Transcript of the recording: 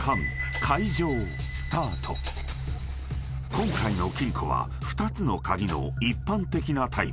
［今回の金庫は２つの鍵の一般的なタイプ］